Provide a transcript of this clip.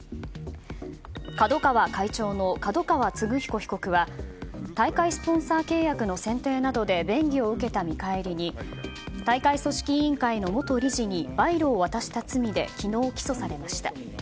ＫＡＤＯＫＡＷＡ会長の角川歴彦被告は大会スポンサー契約の選定などで便宜を受けた見返りに大会組織委員会の元理事にわいろを渡した罪で昨日、起訴されました。